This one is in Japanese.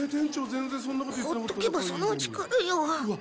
ほっとけばそのうち来るよ。